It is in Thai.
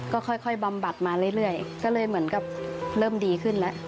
ก็ค่อยบำบัดมาเรื่อยก็เลยเหมือนกับเริ่มดีขึ้นแล้ว